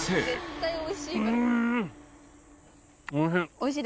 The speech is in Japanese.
おいしい！